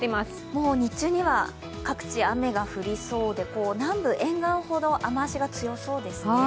もう日中には各地雨が降りそうで南部、沿岸ほど雨足が強そうですね。